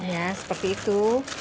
ya seperti itu